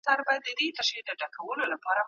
سياسي اړودوړ هيواد د شاتګ پر لور بيايي.